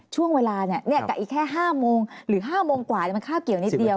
ช่วงเวลากับอีกแค่๕โมงหรือ๕โมงกว่ามันคาบเกี่ยวนิดเดียว